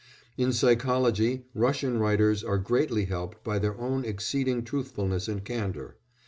In psychology Russian writers are greatly helped by their own exceeding truthfulness and candour.